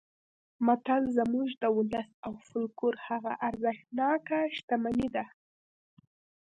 متل زموږ د ولس او فولکلور هغه ارزښتناکه شتمني ده